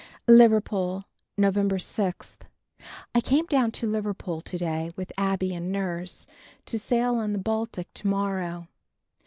Liverpool, November 6. I came down to Liverpool to day with Abbie and nurse, to sail on the Baltic, to morrow.